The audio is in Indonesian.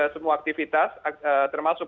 semua aktivitas termasuk